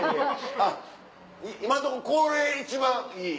今んとここれ一番いい？